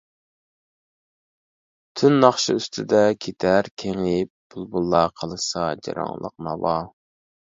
تۈن ناخشا ئۈستىدە كېتەر كېڭىيىپ بۇلبۇللار قىلىشسا جاراڭلىق ناۋا.